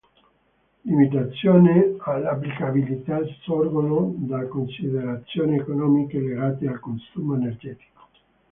Limitazioni all'applicabilità sorgono da considerazioni economiche legate al consumo energetico.